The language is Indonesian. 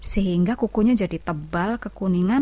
sehingga kukunya jadi tebal kekuningan